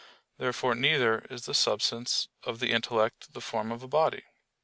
Therefore neither is the substance of the intellect the form of a body.